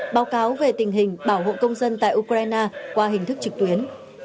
báo cáo về tình hình bảo hộ công dân tại ukraine qua hình thức trực tuyến